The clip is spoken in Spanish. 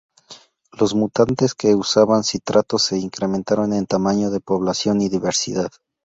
Los mutantes que usaban citrato se incrementaron en tamaño de población y diversidad.